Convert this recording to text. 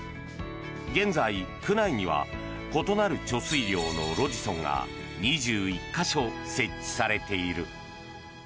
現在、区内には異なる貯水量の路地尊が２１か所設置されている。